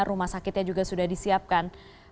rumah sakitnya juga sudah disiapkan